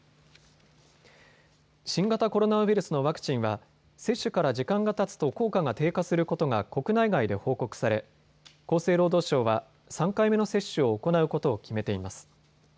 新型コロナウイルスのワクチンは接種から時間がたつと効果が低下することが国内外で報告され厚生労働省は３回目の接種を行うことを決めています。